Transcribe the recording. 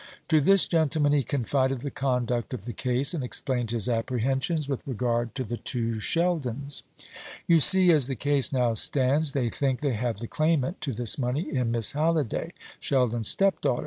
To this gentleman he confided the conduct of the case; and explained his apprehensions with regard to the two Sheldons. "You see, as the case now stands, they think they have the claimant to this money in Miss Halliday Sheldon's stepdaughter.